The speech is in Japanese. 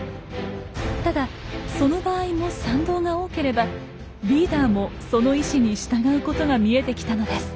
ただその場合も賛同が多ければリーダーもその意思に従うことが見えてきたのです。